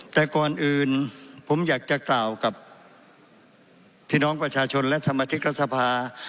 แต่ก่อนอื่นผมอยากจะกล่าวกับพี่น้องประชาชนและสมาชิกรัฐสภา